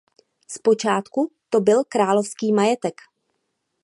Zpočátku to byl královský majetek.